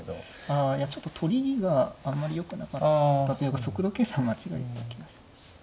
あいやちょっと取りがあんまりよくなかったというか速度計算間違えた気がします。